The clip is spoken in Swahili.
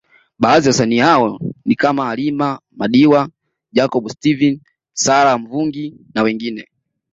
Baadhi ya wasanii hao ni kama Halima madiwa Jacob Steven Sara Mvungi na wengine